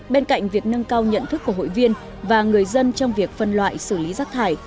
bên cạnh việc nâng cao nhận thức của hội viên và người dân trong việc phân loại xử lý rác thải